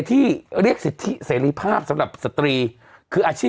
ตอนต่อไป